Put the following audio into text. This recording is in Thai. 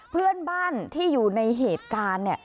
เพื่อนบ้านที่อยู่ในเหตุการณ์